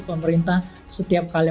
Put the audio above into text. pemerintah setiap kali